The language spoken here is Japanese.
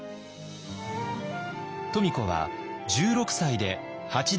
富子は１６歳で８代